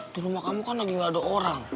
di rumah kamu kan lagi gak ada orang